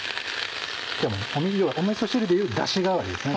おみそ汁でいうダシ代わりですね